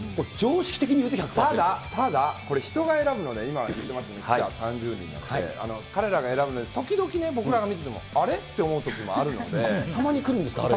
ただ、ただ、これ、今言ってましたように、記者３０人なので、彼らが選ぶの、時々ね、僕らが見ててもあれ？って思うときもあるたまに来るんですか、あれ。